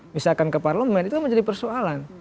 misalkan ke parlemen itu menjadi persoalan